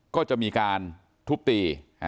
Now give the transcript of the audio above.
ก็จะมีการทุบตี